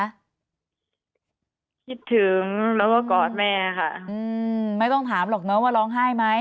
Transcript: คิดถึงแล้วก็กอดแม่ค่ะไม่ต้องถามหรอกน้องว่าร้องไห้ไหม